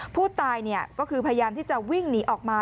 ผู้ตายก็คือพยายามที่จะวิ่งหนีออกมา